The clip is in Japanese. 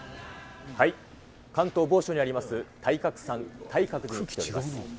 関東某所にあります、体格山体格寺に来ております。